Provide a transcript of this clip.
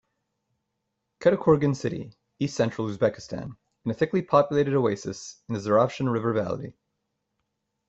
Kattakurgan, city, east-central Uzbekistan, in a thickly populated oasis in the Zeravshan River valley.